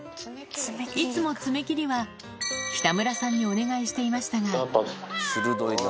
いつも爪切りは北村さんにお願いしていましたが。